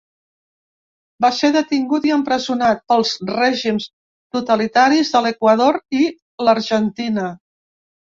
Va ser detingut i empresonat pels règims totalitaris a l’Equador i l’Argentina.